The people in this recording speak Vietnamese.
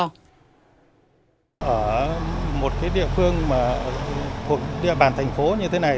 ở một địa phương mà thuộc địa bàn thành phố như thế này